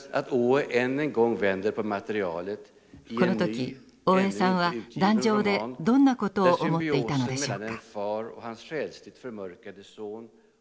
この時大江さんは壇上でどんなことを思っていたのでしょうか。